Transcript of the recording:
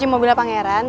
itu serius sih pangeran